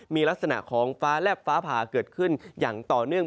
มีลักษณะของฟ้าแลบฟ้าผ่าเกิดขึ้นอย่างต่อเนื่อง